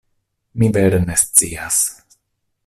Mi vere ne scias.